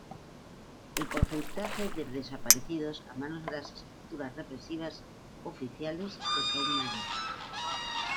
El porcentaje de desaparecidos a manos de las estructuras represivas oficiales es aún mayor.